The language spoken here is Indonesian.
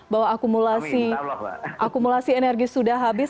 bahwa akumulasi energi sudah habis